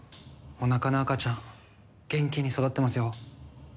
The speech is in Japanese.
おなかの赤ちゃん元気に育ってますよ。